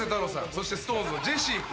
そしてＳｉｘＴＯＮＥＳのジェシー君。